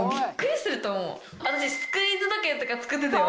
私スクイーズ時計とか作ってたよ。